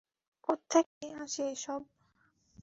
কোত্থেকে আসে এসব!